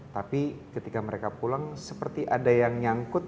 tapi ketika mereka pulang seperti ada yang nyangkut